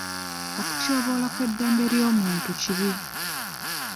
Okutyoboola kw'eddembe ly'obuntu kibi.